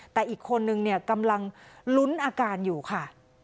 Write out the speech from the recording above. แต่อีกคนนึงเนี่ยกำลังลุ้นอาการอยู่ค่ะ